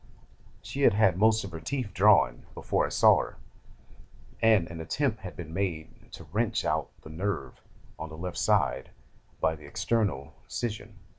She had had most of her teeth drawn before I saw her, and an attempt had been made to wrench out the nerve on the left side by the external scission.